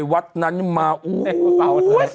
รักเนี่ยแหละโอ้โห